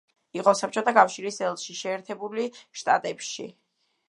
იყო საბჭოთა კავშირის ელჩი შეერთებული შტატებში.